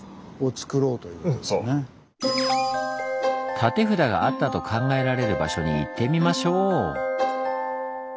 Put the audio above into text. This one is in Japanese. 立て札があったと考えられる場所に行ってみましょう！